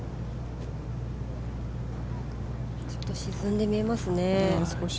ちょっと沈んで見えますね。